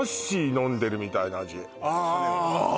飲んでるみたいな味ああああ！